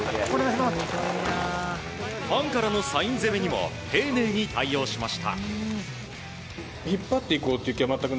ファンからのサイン攻めにも丁寧に対応しました。